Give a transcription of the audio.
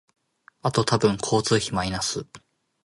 あと多分交通費マイナス